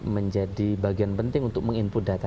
menjadi bagian penting untuk meng input data